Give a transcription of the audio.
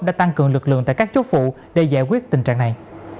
đã tăng cường lực lượng tại các chốt phụ để giải quyết tình trạng này